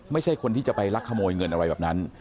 ไม่ใช่คนที่จะไปลักขโมยเงินอะไรแบบนั้น